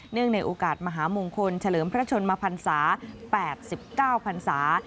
ในโอกาสมหามงคลเฉลิมพระชนมพันศา๘๙พันศา